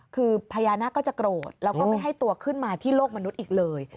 คือพญานาคก็จะโกรธแล้วก็ไม่ให้ตัวขึ้นมาที่โลกมนุษย์อีกเลย